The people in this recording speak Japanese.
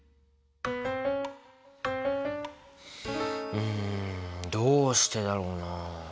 うんどうしてだろうなあ。